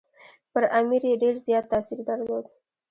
پر امیر یې ډېر زیات تاثیر درلود.